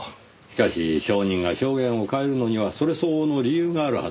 しかし証人が証言を変えるのにはそれ相応の理由があるはずです。